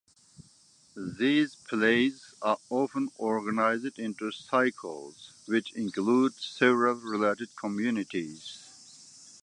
These plays are often organized into "Cycles" which include several related communities.